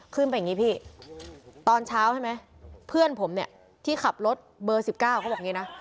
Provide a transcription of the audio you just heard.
ขึ้นไปอย่างนี้พี่ตอนเช้าใช่ไหมเพื่อนผมเนี่ยที่ขับรถเบอร์๑๙เขาบอกอย่างนี้นะ